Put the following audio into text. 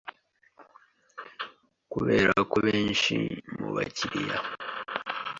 kubera ko benshi mu bakiliya